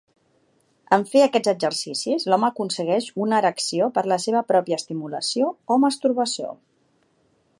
En fer aquests exercicis, l'home aconsegueix una erecció per la seva pròpia estimulació o masturbació.